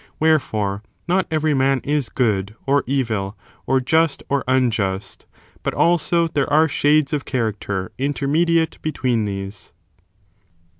Wherefore, not every man is good or evil, or just or unjust ; but also there are shades of character intermediate between these.